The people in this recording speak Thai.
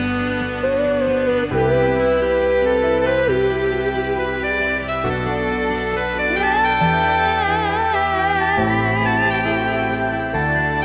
จันทร์จะรู้หรือเปล่า